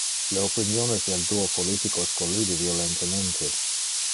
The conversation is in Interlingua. Le opiniones del duo politicos collide violentemente.